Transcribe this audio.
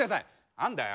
何だよ？